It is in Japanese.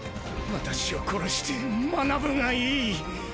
私を殺して学ぶがいい！！